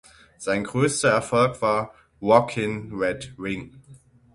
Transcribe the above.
Sein größter Erfolg war "Rockin’ Red Wing".